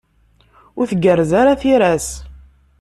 Ur tgerrez ara tira-s.